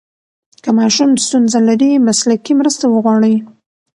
که ماشوم ستونزه لري، مسلکي مرسته وغواړئ.